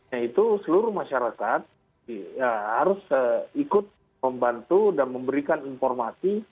yaitu seluruh masyarakat harus ikut membantu dan memberikan informasi